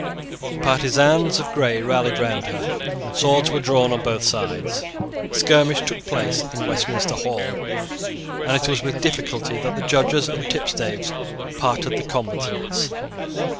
The partisans of Grey rallied round her. Swords were drawn on both sides; a skirmish took place in Westminster Hall; and it was with difficulty that the Judges and tipstaves parted the combatants.